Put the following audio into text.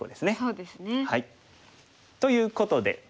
そうですね。ということで。